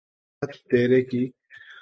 ہت تیرے کی!